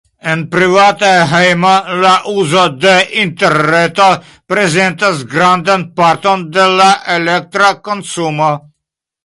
En privata hejmo, la uzo de interreto prezentas grandan parton de la elektra konsumo.